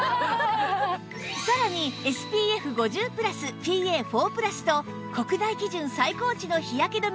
さらに ＳＰＦ５０＋ＰＡ＋＋＋＋ と国内基準最高値の日焼け止め